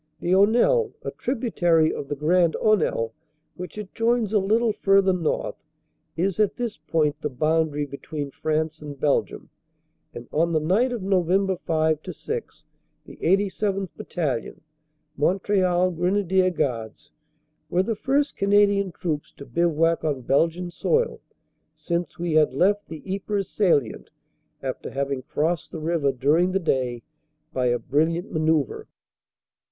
The Aunelle, a tributary of the Grande Honelle, which it joins a little fur ther north, is at this point the boundary between France and Belgium, and on the night of Nov. 5 6 the 87th. Battalion, Montreal Grenadier Guards, were the first Canadian troops to bivouac on Belgian soil since we had left the Ypres salient, after having crossed the river during the day by a brilliant manoeuvre.